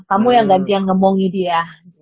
kamu yang ganti yang ngomongin dia